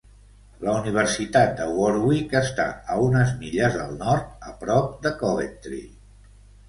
La Universitat de Warwick està a unes milles al nord, a prop de Coventry.